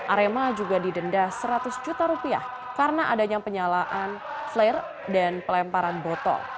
arema juga didenda seratus juta rupiah karena adanya penyalaan flare dan pelemparan botol